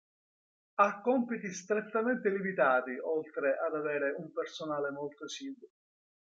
Ha compiti strettamente limitati oltre ad avere un personale molto esiguo.